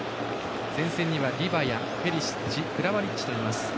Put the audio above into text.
前線にはリバヤ、ペリシッチクラマリッチといます。